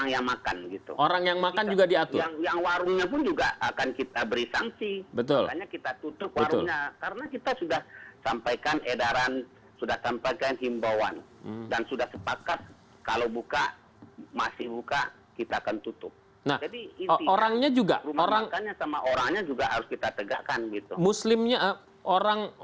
ya warung makan sama orang yang makan gitu